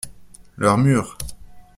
Leur mur.